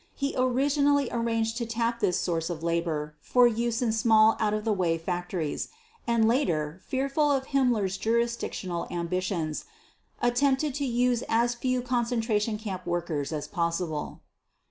He originally arranged to tap this source of labor for use in small out of the way factories; and later, fearful of Himmler's jurisdictional ambitions, attempted to use as few concentration camp workers as possible.